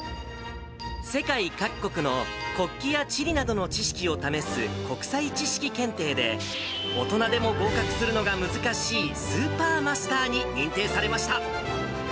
世界各国の国旗や地理などの知識を試す国際知識検定で、大人でも合格するのが難しい、スーパーマスターに認定されました。